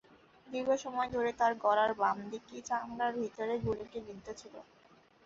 দীর্ঘ সময় ধরে তাঁর গলার বাম দিকে চামড়ার ভিতরে গুলিটি বিদ্ধ ছিল।